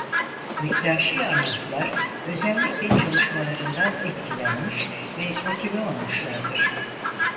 Bektaşi Arnavutlar özellikle çalışmalarından etkilenmiş ve motive olmuşlardır.